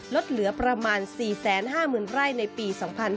ลดเหลือประมาณ๔๕๐๐๐ไร่ในปี๒๕๕๙